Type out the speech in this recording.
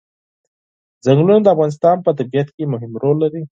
ځنګلونه د افغانستان په طبیعت کې مهم رول لري.